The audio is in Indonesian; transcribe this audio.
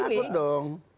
jangan takut dong